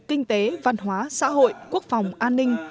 kinh tế văn hóa xã hội quốc phòng an ninh